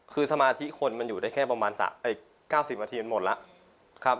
คือสมาธิคนมันอยู่ได้แค่ประมาณ๙๐นาทีมันหมดแล้ว